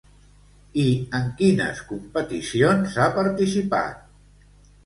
I en quines competicions ha participat?